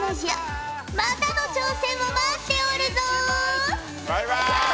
またの挑戦を待っておるぞ！